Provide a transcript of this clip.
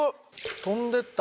飛んでった？